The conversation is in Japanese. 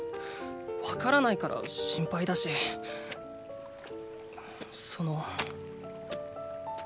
分からないから心配だしその。